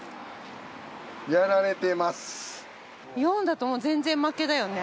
４だと全然負けだよね？